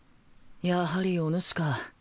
やはりおぬしか。